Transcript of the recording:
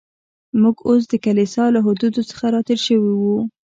موږ اوس د کلیسا له حدودو څخه را تېر شوي و.